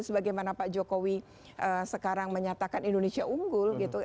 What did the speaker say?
sebagaimana pak jokowi sekarang menyatakan indonesia unggul gitu